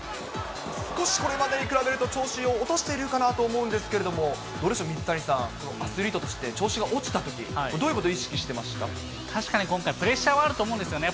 少しこれまでに比べると、調子を落としているかなとも思うんですけれども、どうでしょう、水谷さん、アスリートとして調子が落ちたとき、どういうこと意識確かに今回、プレッシャーはあると思うんですよね。